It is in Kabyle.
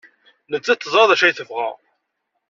Nettat teẓra d acu ay tebɣa.